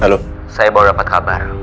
halo saya baru dapat kabar